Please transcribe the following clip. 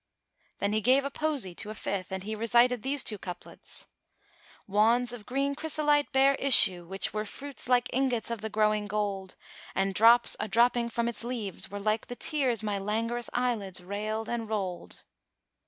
Then he gave a posy to a fifth and he recited these two couplets, "Wands of green chrysolite bare issue, which * Were fruits like ingots of the growing gold.[FN#416] And drops, a dropping from its leaves, were like * The tears my languorous eyelids railed and rolled."